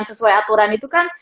sesuai aturan itu kan